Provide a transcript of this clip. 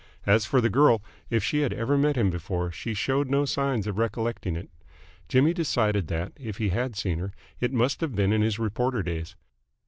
As for the girl, if she had ever met him before, she showed no signs of recollecting it. Jimmy decided that, if he had seen her, it must have been in his reporter days.